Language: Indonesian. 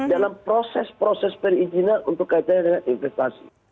dalam proses proses perizinan untuk kaitannya dengan investasi